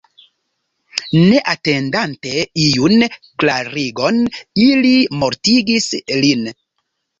Ne atendante iun klarigon ili mortigis lin.